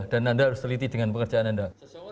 dan anda harus teliti dengan pekerjaan anda